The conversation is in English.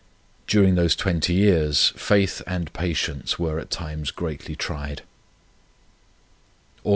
During these 20 years faith and patience were at times greatly tried: "Aug.